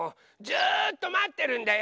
ずっとまってるんだよ。